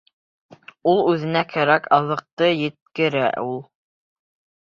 Ул үҙенә кәрәк аҙыҡты еткерә ул.